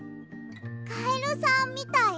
カエルさんみたい？